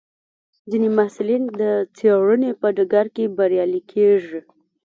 ځینې محصلین د څېړنې په ډګر کې بریالي کېږي.